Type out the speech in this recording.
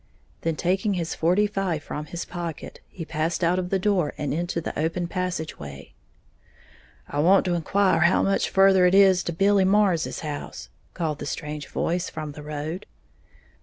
Then, taking his forty five from his pocket, he passed out of the door and into the open passageway. "I want to inquire how much further on it is to Billy Marrs's," called the strange voice from the road.